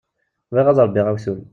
Bɣiɣ ad ṛebbiɣ awtul.